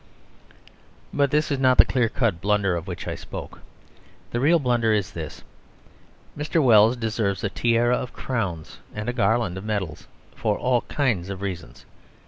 But this is not the clear cut blunder of which I spoke. The real blunder is this. Mr. Wells deserves a tiara of crowns and a garland of medals for all kinds of reasons.